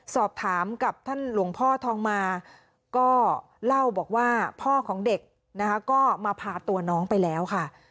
สอบถามกับท่านหลวงพ่อทองมาก็เล่าบอกว่าพ่อของเด็กนะคะก็มาพาตัวน้องไปแล้วค่ะ